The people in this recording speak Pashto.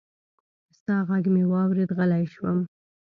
ستا غږ مې واورېد، غلی شوم